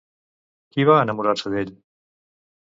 Qui va enamorar-se d'ell?